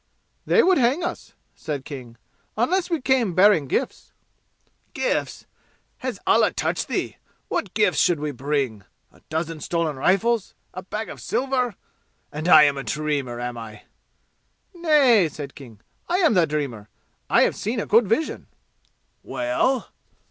"They would hang us," said King, "unless we came bearing gifts." "Gifts? Has Allah touched thee? What gifts should we bring? A dozen stolen rifles? A bag of silver? And I am the dreamer, am I?" "Nay," said King. "I am the dreamer. I have seen a good vision." "Well?"